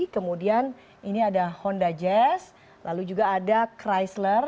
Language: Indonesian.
kemudian ini ada honda jazz lalu juga ada chrisler